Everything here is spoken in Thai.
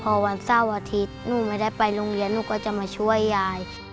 พอวันเสาร์อาทิตย์หนูไม่ได้ไปโรงเรียนหนูก็จะมาช่วยยาย